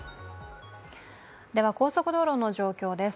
高速道路の状況です。